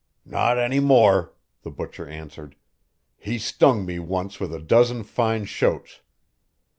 "Not any more," the butcher answered. "He stung me once with a dozen fine shoats.